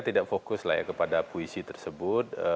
tidak fokus lah ya kepada puisi tersebut